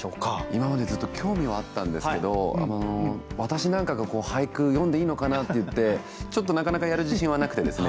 今までずっと興味はあったんですけど私なんかが俳句詠んでいいのかなっていってちょっとなかなかやる自信はなくてですね。